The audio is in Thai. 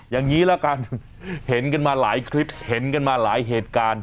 อย่างนี้ละกันเห็นกันมาหลายคลิปเห็นกันมาหลายเหตุการณ์